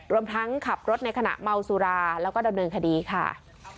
รวมทั้งขับรถในขณะเมาสุราแล้วก็ดำเนินคดีค่ะ